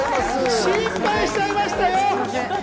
心配しちゃいましたよ。